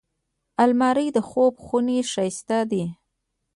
الماري د خوب خونې ښايست دی